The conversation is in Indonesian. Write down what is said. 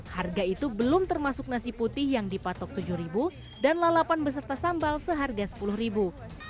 harga itu belum termasuk nasi putih yang dipatok rp tujuh dan lalapan beserta sambal seharga sepuluh ribu